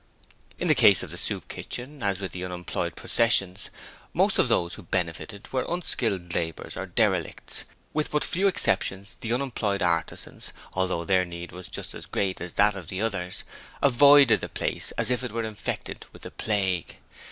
In the case of the Soup Kitchen, as with the unemployed processions, most of those who benefited were unskilled labourers or derelicts: with but few exceptions the unemployed artisans although their need was just as great as that of the others avoided the place as if it were infected with the plague.